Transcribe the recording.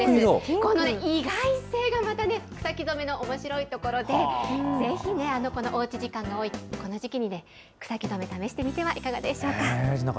この意外性がまたね、草木染めのおもしろいところで、ぜひね、おうち時間の多いこの時期に、草木染め、試してみてはいかがでしょうか。